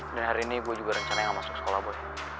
dan hari ini gue juga rencana gak masuk sekolah boy